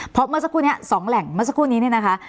เพราะเมื่อสักครู่นี้๒แหล่งเมื่อสักครู่นี้เนี่ยนะคะ